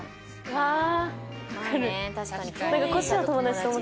ああ。